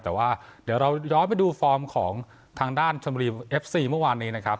แต่ว่าเดี๋ยวเราย้อนไปดูฟอร์มของทางด้านชมบุรีเอฟซีเมื่อวานนี้นะครับ